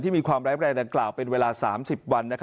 มีความร้ายแรงดังกล่าวเป็นเวลา๓๐วัน